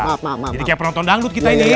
jadi kayak penonton dangdut kita ini